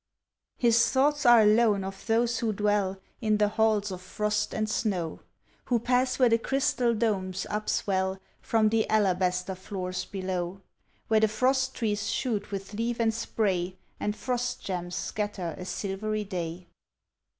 His thoughts are alone of those who dwell In the halls of frost and snow, Who pass where the crystal domes upswell From the alabaster floors below, Where the frost trees shoot with leaf and spray, And frost gems scatter a silvery day.